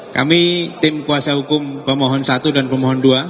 kami tim kuasa hukum pemohon satu dan pemohon dua